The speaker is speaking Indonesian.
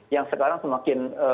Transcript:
yang sekarang semakin